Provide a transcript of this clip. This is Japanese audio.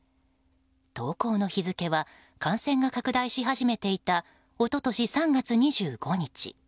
投稿の日付は感染が拡大し始めていた一昨年３月２５日。